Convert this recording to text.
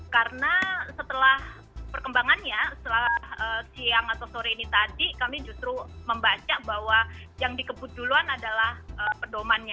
karena setelah perkembangannya setelah siang atau sore ini tadi kami justru membaca bahwa yang dikebut duluan adalah pedomannya